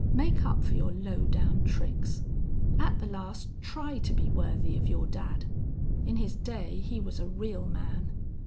Make up for your low down tricks. At the last try to be worthy of your dad. In his day he was a real man....